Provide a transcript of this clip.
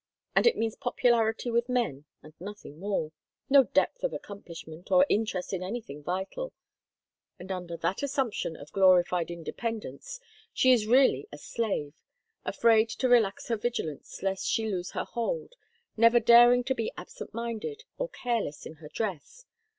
And it means popularity with men and nothing more; no depth of accomplishment or interest in anything vital; and under that assumption of glorified independence she is really a slave, afraid to relax her vigilance lest she lose her hold, never daring to be absent minded or careless in her dress.